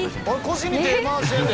腰に手回してるで！